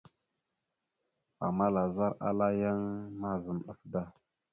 Ama lazar ala yan mazam ɗaf da.